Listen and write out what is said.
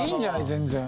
全然。